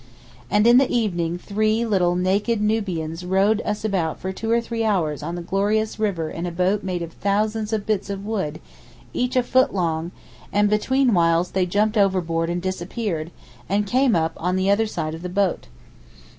And in the evening three little naked Nubians rowed us about for two or three hours on the glorious river in a boat made of thousands of bits of wood, each a foot long; and between whiles they jumped overboard and disappeared, and came up on the other side of the boat.